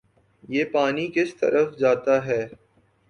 یہ پانی کس طرف جاتا ہے